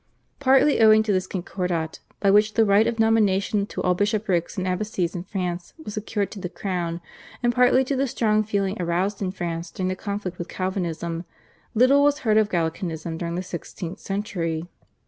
Partly owing to this Concordat, by which the right of nomination to all bishoprics and abbacies in France was secured to the Crown, and partly to the strong feeling aroused in France during the conflict with Calvinism, little was heard of Gallicanism during the sixteenth century.